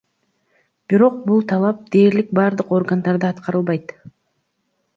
Бирок бул талап дээрлик бардык органдарда аткарылбайт.